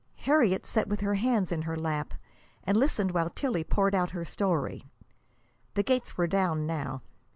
Harriet sat with her hands in her lap and listened while Tillie poured out her story. The gates were down now.